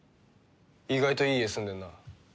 意外といい家住んでるな。